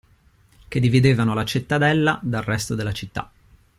Che dividevano la cittadella dal resto della città.